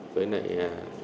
với nại học sinh